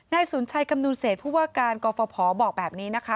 นายสุนชัยกำหนูเศษพูดว่าการกรฟภบอกแบบนี้นะคะ